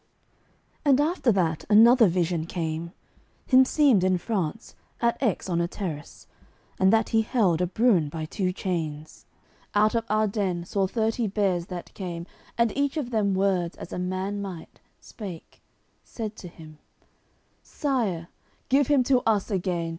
CLXXXVI And, after that, another vision came: Himseemed in France, at Aix, on a terrace, And that he held a bruin by two chains; Out of Ardenne saw thirty bears that came, And each of them words, as a man might, spake Said to him: "Sire, give him to us again!